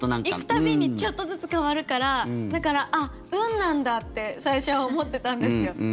行く度にちょっとずつ変わるからだから、あっ、運なんだって最初は思ってたんですよ。